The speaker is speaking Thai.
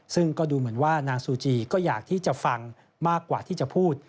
ซึ่งก็ดูเหมือนว่านางซูจีก็อยากที่จะฟังมากกว่าที่จะพูด